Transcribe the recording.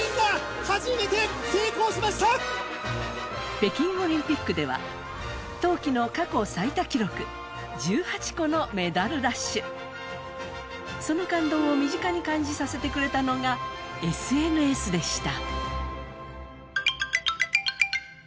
北京オリンピックでは冬季の過去最多記録、１８個のメダルラッシュその感動を身近に感じさせてくれたのがＳＮＳでした。